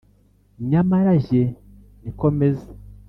nyamara jye ni ko meze ;